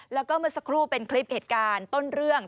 แล้วก็เมื่อสักครู่เป็นคลิปเหตุการณ์ต้นเรื่อง